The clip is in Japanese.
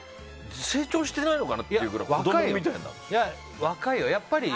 成長してないのかな？っていうくらい若いよ。